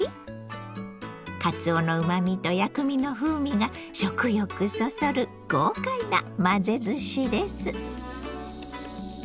かつおのうまみと薬味の風味が食欲そそる豪快な混ぜずしです。